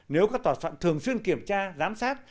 nếu các tòa soạn thường xuyên kiểm tra giám sát